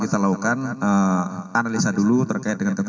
adalah lingkungan yang ada di cirebon sudah kita minta keterangan semua